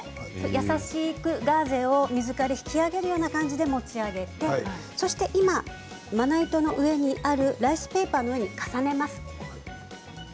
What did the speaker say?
優しくガーゼを水から引き揚げるような形でライスペーパーを引き揚げて今、まな板の上に敷いてあるライスペーパーの上に重ねます。